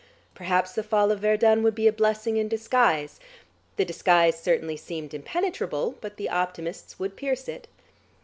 Perhaps the fall of Verdun would be a blessing in disguise. The disguise certainly seemed impenetrable, but the optimists would pierce it....